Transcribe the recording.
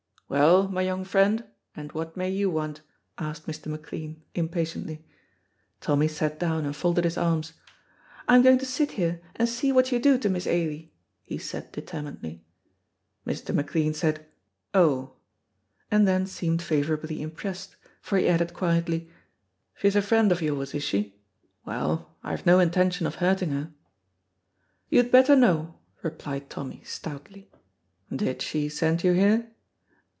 "Well, my young friend, and what may you want?" asked Mr. McLean, impatiently. Tommy sat down and folded his arms. "I'm going to sit here and see what you do to Miss Ailie," he said, determinedly. Mr. McLean said "Oh!" and then seemed favorably impressed, for he added quietly: "She is a friend of yours, is she? Well, I have no intention of hurting her." "You had better no," replied Tommy, stoutly. "Did she send you here?"